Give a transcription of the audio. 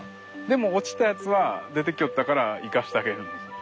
でも落ちたやつは出てきよったから生かしてあげるんです。